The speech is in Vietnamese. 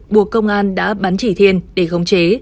buộc công an đã bắn chỉ thiên